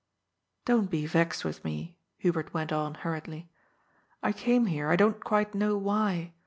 " Don't be vexed with me," Hubert went on hurriedly. " I came here, I don't quite know why.